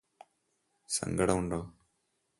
സങ്കടമുണ്ടോ